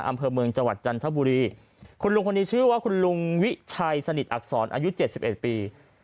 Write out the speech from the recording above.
อำเภอเมืองจังหวัดจันทบุรีคุณลุงคนนี้ชื่อว่าคุณลุงวิชัยสนิทอักษรอายุเจ็ดสิบเอ็ดปี